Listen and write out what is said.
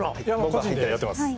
個人でやってます